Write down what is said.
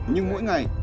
nhưng mỗi ngày